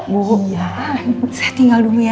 bu ya saya tinggal dulu ya